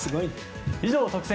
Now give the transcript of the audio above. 以上、特選！！